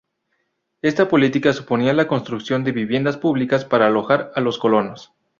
Esta política suponía la construcción de viviendas públicas para alojar a los colonos.